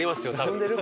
進んでる？